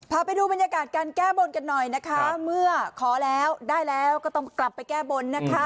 พาไปดูบรรยากาศการแก้บนกันหน่อยนะคะเมื่อขอแล้วได้แล้วก็ต้องกลับไปแก้บนนะคะ